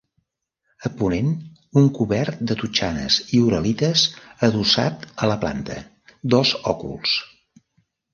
A ponent un cobert de totxanes i uralites adossat a la planta, dos òculs.